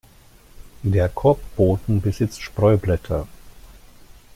Der Korbboden besitzt Spreublätter.